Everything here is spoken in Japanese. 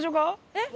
えっ？